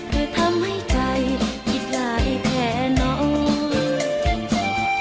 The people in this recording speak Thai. เพื่อทำให้ใจหยิดหลายแผ่นหน่อง